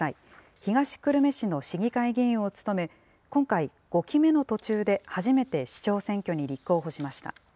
東久留米市の市議会議員を務め、今回、５期目の途中で初めて市長選挙に立候補しました。